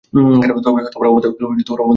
তবে অবান্তর শোনায় না।